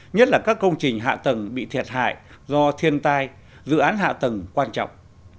nhất là các công trình hạ tầng bị thiệt hại do thiên tai dự án hạ tầng quan trọng